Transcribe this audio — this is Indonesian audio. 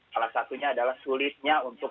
salah satunya adalah sulitnya untuk